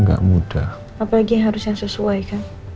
gak mudah apalagi yang harus yang sesuai kan